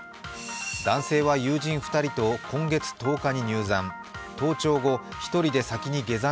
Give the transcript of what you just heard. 男性は、友人２人と今月１０日に入山。